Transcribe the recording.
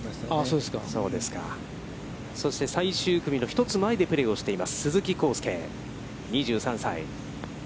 そして、最終組の１つ前でプレーしています鈴木晃祐、２３歳。